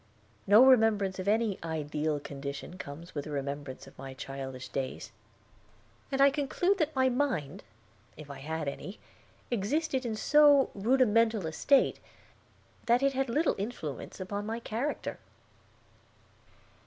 No remembrance of any ideal condition comes with the remembrance of my childish days, and I conclude that my mind, if I had any, existed in so rudimental a state that it had little influence upon my character.